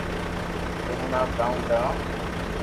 تو ھڻاو ڪاوُ ڪارو